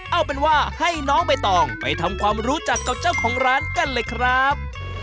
เอาเป็นว่าให้น้องใบตองไปทำความรู้จักกับเจ้าของร้านกันเลยครับ